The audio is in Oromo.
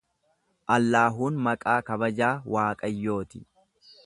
Allaahuun maqaa kabajaa Waaqayyooti.